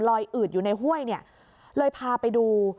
อืดอยู่ในห้วยเนี่ยเลยพาไปดู